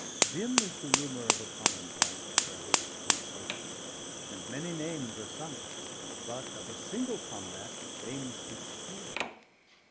Dim is the rumour of a common fight,° °60 Where host meets host, and many names are sunk°; °61 But of a single combat fame speaks clear."